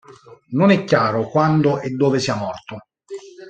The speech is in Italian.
Non è chiaro quando e dove sia morto.